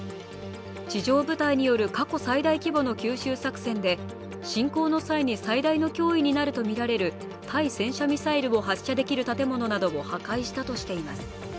地上部隊による過去最大規模の急襲作戦で、侵攻の際に最大の脅威になるとみられる対戦車ミサイルを発射できる建物なども破壊したとしています。